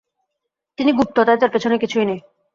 তিনি গুপ্ত, তাই তার পেছনে কিছু নেই।